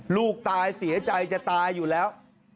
ลูกตายเสียใจจะตายอยู่แล้ว